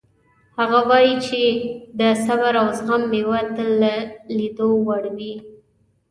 هغه وایي چې د صبر او زغم میوه تل د لیدو وړ وي